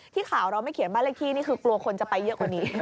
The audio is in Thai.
ข่าวเราไม่เขียนบ้านเลขที่นี่คือกลัวคนจะไปเยอะกว่านี้